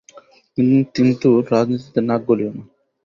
কিন্তু রাজনীতিতে নাক গলিয়ো না।